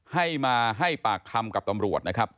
ให้มาให้ปากคำกับตำรวจนะครับ